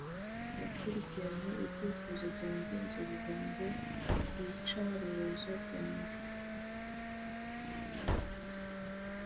yakurikiranye ibyifuzo byanjye, inzozi zanjye, iyicarubozo ryanjye